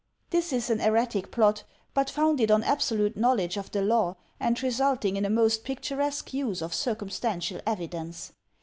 This is an erratic plot, but founded on absolute knowledge of the law, and resulting in a most picturesque use of cir cumstantial evidence.